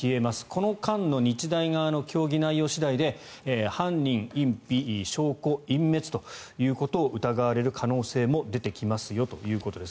この間の日大側の協議内容次第で犯人隠避、証拠隠滅ということを疑われる可能性も出てきますよということです。